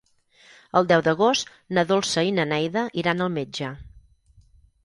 El deu d'agost na Dolça i na Neida iran al metge.